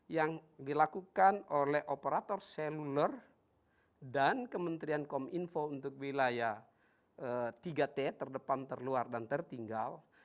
yang dilakukan oleh operator seluler dan kementerian kominfo untuk wilayah tiga t terdepan terluar dan tertinggal